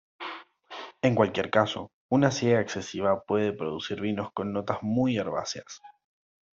En cualquier caso, una siega excesiva puede producir vinos con notas muy herbáceas.